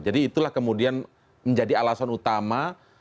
jadi itulah kemudian menjadi alasan utama